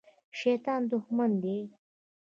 شیطان دښمن دی